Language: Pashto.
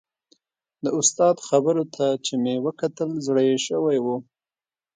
د استاد خبرو ته چې مې وکتل زړه یې شوی و.